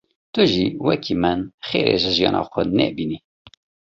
Tu jî wekî min xêrê ji jiyana xwe nebînî.